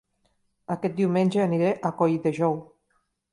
Aquest diumenge aniré a Colldejou